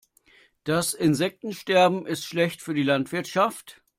Das Insektensterben ist schlecht für die Landwirtschaft.